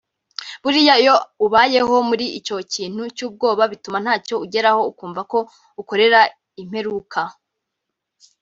Buriya iyo ubayeho muri icyo kintu cy’ubwoba bituma ntacyo ugeraho ukumva ko ukorera impreuka